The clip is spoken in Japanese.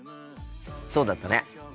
そうだったね。